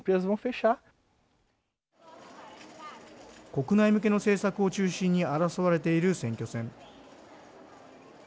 国内向けの政策を中心に争われている選挙戦。